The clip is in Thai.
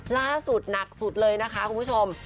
ล้าสุดหนักสุดเลยนะคะคุณผู้ชม